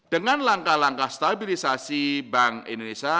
dengan langkah langkah stabilisasi bank indonesia